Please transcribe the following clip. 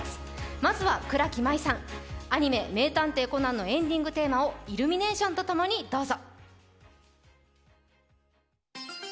まずは倉木麻衣さんアニメ「名探偵コナン」のエンディングテーマをイルミネーションとともにどうぞ。